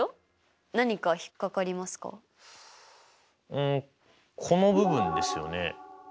うんこの部分ですよね。